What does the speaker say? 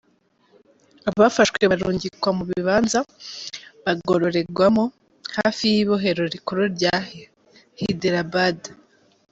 Abafashwe barungikwa mu bibanza bagororegwamwo hafi y'ibohero rikuru rya Hyderabad.